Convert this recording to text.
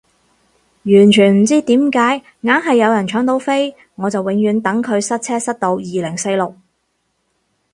完全唔知點解硬係有人搶到飛，我就永遠等佢塞車塞到二零四六